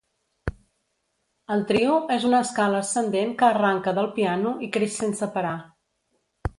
El trio és una escala ascendent que arranca del piano i creix sense parar.